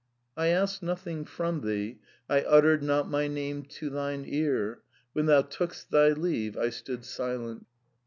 '^ I asked nothing from thee; I uttered not my name to thine ear. When thou took'st thy leave I stood silent.